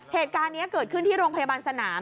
เหตุการณ์นี้เกิดขึ้นที่โรงพยาบาลสนาม